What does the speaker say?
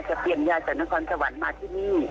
เปลี่ยนยาจากนครสวรรค์มาที่นี่